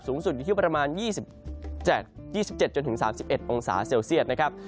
สูงสุดอยู่ที่ประมาณ๒๗๓๑องศาเซลเซียตนะครับ